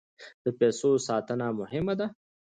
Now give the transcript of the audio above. د پیسو ساتنه مهمه ده.